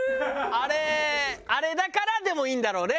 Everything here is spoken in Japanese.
あれあれだからでもいいんだろうね。